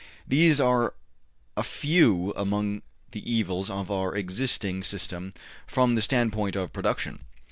These are a few among the evils of our existing system from the standpoint of production.